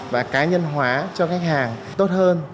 và cá nhân hóa cho khách hàng tốt hơn